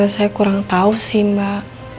saya kurang tahu sih mbak